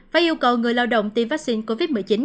và yêu cầu người lao động tiêm vaccine covid một mươi chín